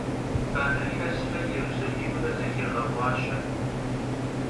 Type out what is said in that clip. Banexesre Yêrusalimre zexêğeğuaşe.